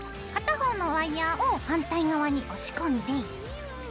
片方のワイヤーを反対側に押し込んで。